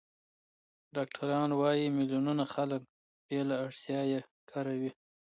ډاکټران وايي، میلیونونه خلک بې له اړتیا یې کاروي.